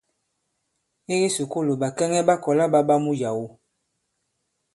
I kisùkulù, ɓàkɛŋɛ ɓa kɔ̀la ɓa ɓa muyàwo.